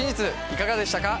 いかがでしたか？